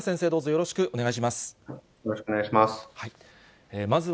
よろしくお願いします。